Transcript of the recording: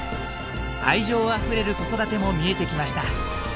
愛情あふれる子育ても見えてきました。